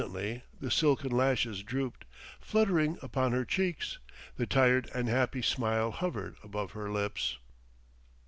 Presently the silken lashes drooped, fluttering upon her cheeks, the tired and happy smile hovered about her lips....